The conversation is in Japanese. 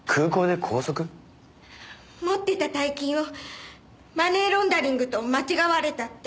持ってた大金をマネーロンダリングと間違われたって。